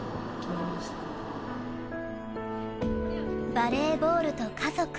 バレーボールと家族。